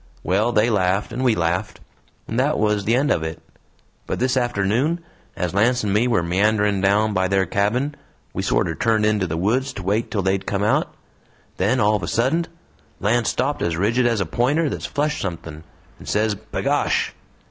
Well, they laughed, and we laughed and that was the end of it. But this afternoon, as Lance and me were meandering down by their cabin, we sorter turned into the woods to wait till they'd come out. Then all of a suddent Lance stopped as rigid as a pointer that's flushed somethin', and says, 'B'gosh!'